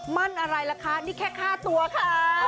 มั่นอะไรล่ะคะนี่แค่ค่าตัวค่ะ